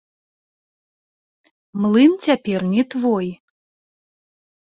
Млын цяпер не твой.